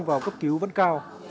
vào cấp cứu vẫn cao